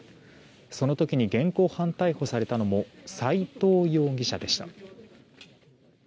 その時に現行犯逮捕されたのも斎藤容疑者でした。